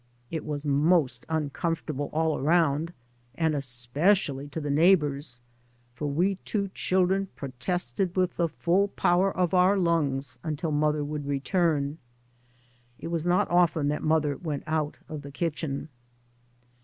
It was most uncomfortable all around, and especially to the neighbours, for we two chil dren protested with the full power of our lungs until mother would return. It was not often that mother went out of the kitchen.